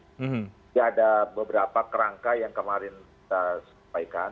jadi ada beberapa kerangka yang kemarin kita sampaikan